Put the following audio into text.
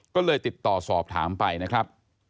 ก็เลยติดต่อสอบถามไปนะครับ